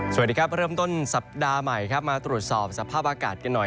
สวัสดีครับเริ่มต้นสัปดาห์ใหม่ครับมาตรวจสอบสภาพอากาศกันหน่อย